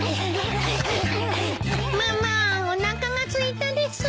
ママおなかがすいたです。